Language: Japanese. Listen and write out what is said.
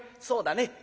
「そうだね。